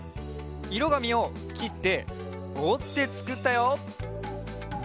いろがみをきっておってつくったよ。